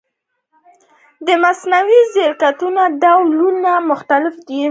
د مصنوعي ځیرکتیا ډولونه مختلف دي.